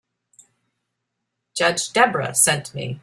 Judge Debra sent me.